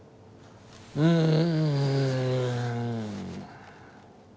うん。